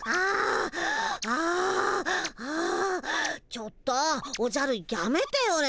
ちょっとおじゃるやめてよね。